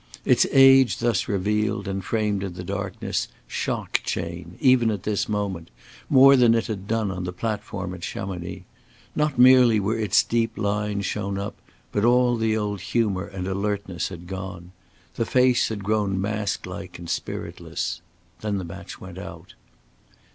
Its age thus revealed, and framed in the darkness, shocked Chayne, even at this moment, more than it had done on the platform at Chamonix. Not merely were its deep lines shown up, but all the old humor and alertness had gone. The face had grown mask like and spiritless. Then the match went out.